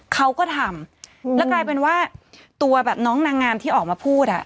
เขาก็ทำแล้วกลายเป็นว่าตัวแบบน้องนางงามที่ออกมาพูดอ่ะ